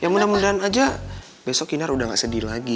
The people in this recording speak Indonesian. besoknya kinar udah gak sedih lagi